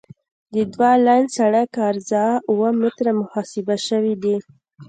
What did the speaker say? د دوه لاین سرک عرض اوه متره محاسبه شوی دی